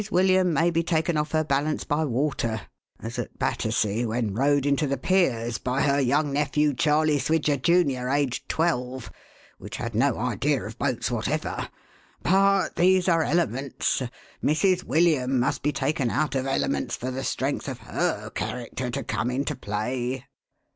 William may be taken off her balance by Water ; as at Battersea, when rowed into the piers by her young nephew, Charley Swidger junior, aged twelve, which had no idea of boats whatever. But these are elements. Mrs. William must be taken out of elements for the strength of her character to come into play."